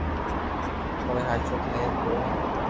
ڪي تو ھاچو ھي يا ڪوڙو ھي